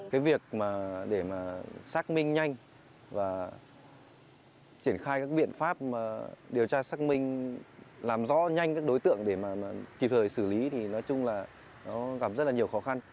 cái việc mà để mà xác minh nhanh và triển khai các biện pháp điều tra xác minh làm rõ nhanh các đối tượng để mà kịp thời xử lý thì nói chung là nó gặp rất là nhiều khó khăn